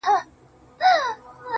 مـــــه كـــــوه او مـــه اشـــنـــا,